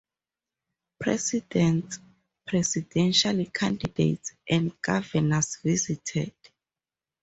Presidents, presidential candidates, and governors visited.